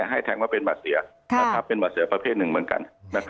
ให้แทงมาเป็นบัตรเสียเป็นบัตรเสียประเภทหนึ่งเหมือนกัน